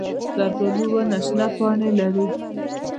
زردالو ونه شنه پاڼې لري.